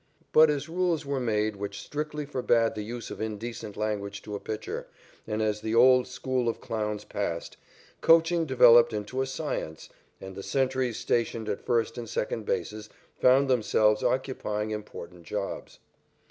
But as rules were made which strictly forbade the use of indecent language to a pitcher, and as the old school of clowns passed, coaching developed into a science, and the sentries stationed at first and third bases found themselves occupying important jobs.